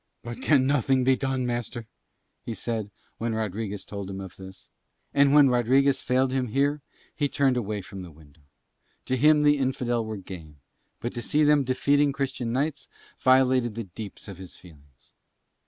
"But can nothing be done, master?" he said when Rodriguez told him this. And when Rodriguez failed him here, he turned away from the window. To him the Infidel were game, but to see them defeating Christian knights violated the deeps of his feelings.